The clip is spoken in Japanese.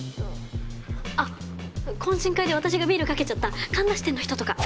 あっ懇親会で私がビールかけちゃった神田支店の人とか。